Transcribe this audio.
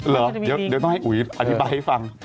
เรียกมึงให้อุ๋ยอธิบายให้ฟัง